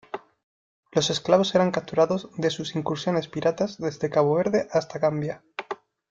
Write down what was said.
Los esclavos eran capturados de sus incursiones piratas desde Cabo Verde hasta Gambia.